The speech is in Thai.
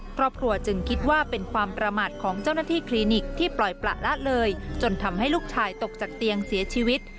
ครอบครัวจึงคิดว่าเป็นความประมาทของเจ้าหน้าที่คลินิกที่ปล่อยประละเลยจนทำให้ลูกชายตกจากเตียงเสียชีวิต